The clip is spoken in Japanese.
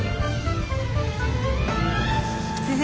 先生